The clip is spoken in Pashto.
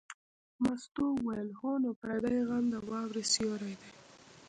مستو وویل: هو نو پردی غم د واورې سیوری دی.